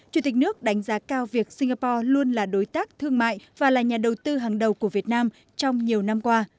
chủ tịch nước đánh giá cao việc singapore luôn là đối tác thương mại và là nhà đầu tư hàng đầu của việt nam trong nhiều năm qua